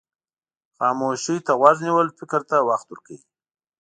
خاموشي ته غوږ نیول فکر ته وخت ورکوي.